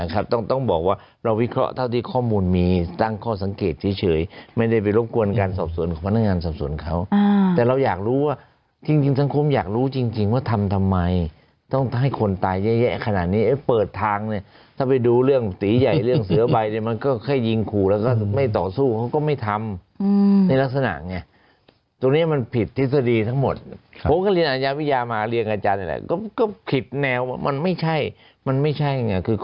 ควรการสอบส่วนพนักงานสอบส่วนเขาแต่เราอยากรู้ว่าจริงจริงสังคมอยากรู้จริงจริงว่าทำทำไมต้องให้คนตายเยอะแยะขนาดนี้เปิดทางเนี่ยถ้าไปดูเรื่องตีใหญ่เรื่องเสือใบมันก็ให้ยิงคู่แล้วก็ไม่ต่อสู้เขาก็ไม่ทำในลักษณะไงตรงนี้มันผิดทฤษฎีทั้งหมดผมก็เรียนอาญาวิยามาเรียงอาจารย์ก็ผิดแนวมันไม